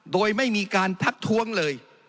โดยไม่มีการทักท้วงเลย